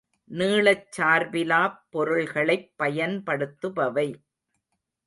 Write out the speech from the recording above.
நீளச் சார்பிலாப் பொருள்களைப் பயன்படுத்துபவை.